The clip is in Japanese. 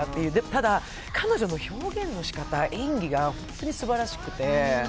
ただ、彼女の表現の仕方、演技が本当にすばらしくて。